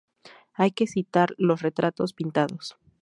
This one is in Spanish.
Hay que citar los retratos pintados.